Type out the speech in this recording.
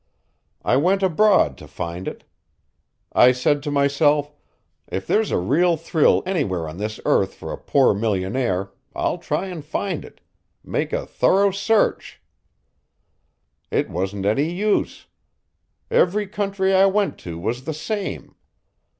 I went abroad to find it. I said to myself, 'If there's a real thrill anywhere on this earth for a poor millionaire, I'll try and find it make a thorough search. It wasn't any use. Every country I went to was the same.